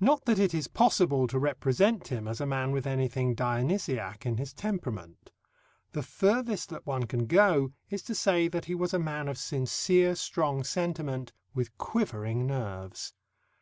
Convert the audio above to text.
Not that it is possible to represent him as a man with anything Dionysiac in his temperament. The furthest that one can go is to say that he was a man of sincere strong sentiment with quivering nerves.